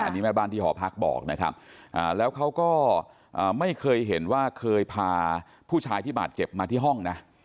อันนี้แม่บ้านที่หอพักบอกนะครับแล้วเขาก็ไม่เคยเห็นว่าเคยพาผู้ชายที่บาดเจ็บมาที่ห้องนะ